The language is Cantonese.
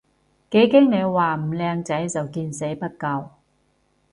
幾驚你話唔靚仔就見死不救